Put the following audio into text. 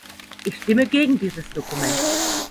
Ich stimme gegen dieses Dokument.